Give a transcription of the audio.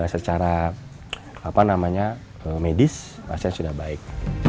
secara apa namanya medis pasien sudah baik